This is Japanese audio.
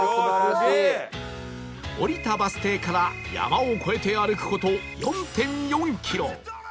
降りたバス停から山を越えて歩く事 ４．４ キロ